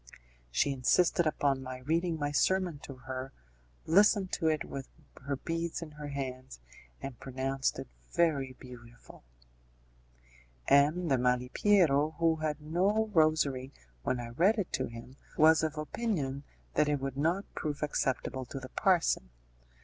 She insisted upon my reading my sermon to her, listened to it with her beads in her hands, and pronounced it very beautiful. M. de Malipiero, who had no rosary when I read it to him, was of opinion that it would not prove acceptable to the parson.